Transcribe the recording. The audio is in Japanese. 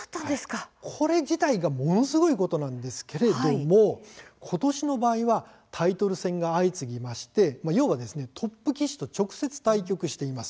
これ自体が、ものすごいことなんですけれどもことしの場合はタイトル戦が相次ぎまして、要はトップ棋士と直接対局しています。